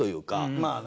まあね。